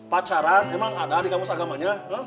pacaran memang ada di kampus agamanya